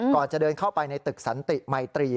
ก่อนจะเดินเข้าไปในตึกสันติมัยตรี